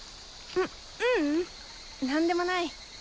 うううん何でもない。